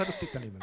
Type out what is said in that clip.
今。